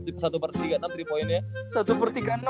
ini diganti kelly o ber satu per tiga puluh enam tiga point ya